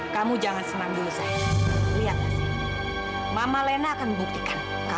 kamu jangan senang dulu zahira